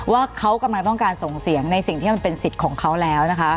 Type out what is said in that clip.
ว่าเขากำลังต้องการส่งเสียงในสิ่งที่มันเป็นสิทธิ์ของเขาแล้วนะคะ